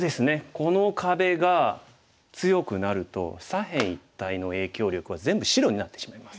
この壁が強くなると左辺一帯の影響力は全部白になってしまいます。